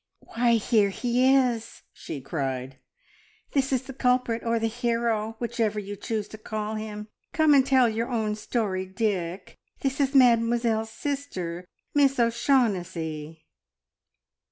"Why, here he is!" she cried. "This is the culprit, or the hero, whichever you choose to call him. Come and tell your own story, Dick. This is Mademoiselle's sister, Miss O'Shaughnessy."